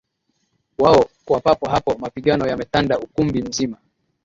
wao Kwa papo hapo mapigano yametanda ukumbi mzima